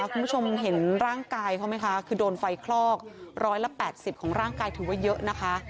คุณผู้ชมเห็นร่างกายเขาไหมคะคือโดนไฟคลอก๑๘๐ของร่างกายถือว่าเยอะนะคะ